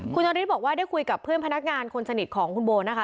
คุณนฤทธิบอกว่าได้คุยกับเพื่อนพนักงานคนสนิทของคุณโบนะคะ